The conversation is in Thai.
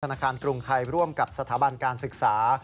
ธนาคารกรุงไทยร่วมกับสถาบันการศึกษา